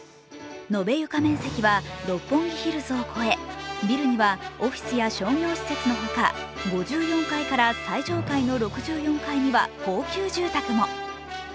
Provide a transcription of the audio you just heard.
延床面積は六本木ヒルズを超えビルにはオフィスや商業施設のほか、５４階から最上階の６４階には高級住宅も。